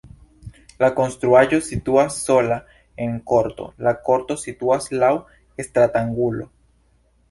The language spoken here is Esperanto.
La konstruaĵo situas sola en korto, la korto situas laŭ stratangulo.